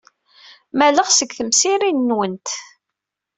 Malleɣ seg temsirin-nwent.